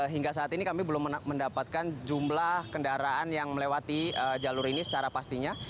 hingga saat ini kami belum mendapatkan jumlah kendaraan yang melewati jalur ini secara pastinya